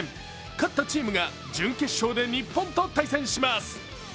勝ったチームが準決勝で日本と対戦します。